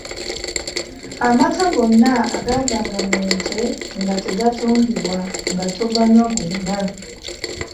Amata gonna agaavanga mu nte nga tegatundibwa nga tuganywa gonna.